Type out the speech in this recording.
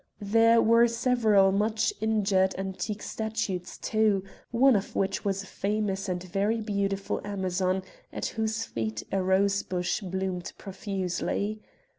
There were several much injured antique statues too, one of which was a famous and very beautiful Amazon at whose feet a rose bush bloomed profusely.